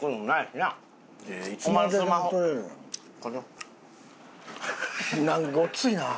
なんかごっついな。